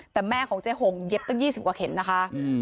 แต่แม่ของเจ๊หงเย็บตั้ง๒๐กว่าเข็มนะคะ